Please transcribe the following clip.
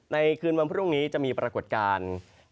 ในคืนวันพรุ่งนี้จะมีปรากฏการณ์